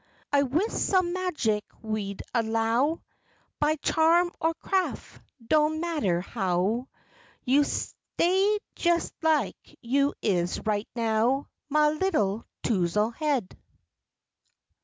I wist sum magic w'u'd ellow, (By charm or craf' doan mattah how) You stay jes lak you is right now, Mah 'ittle Touzle Head.